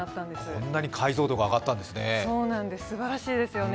こんなに解像度が上がったんですね。